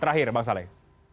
terakhir bang saleh